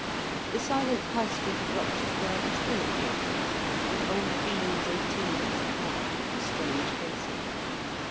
The silent High Street of Rochester is full of gables, with old beams and timbers carved into strange faces.